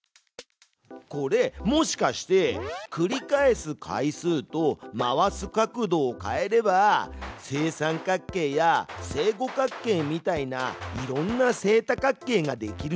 これもしかして繰り返す回数と回す角度を変えれば正三角形や正五角形みたいないろんな正多角形ができるんじゃない？